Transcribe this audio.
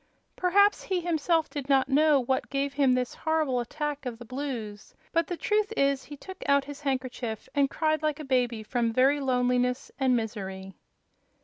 Perhaps he himself did not know what gave him this horrible attack of "the blues," but the truth is he took out his handkerchief and cried like a baby from very loneliness and misery.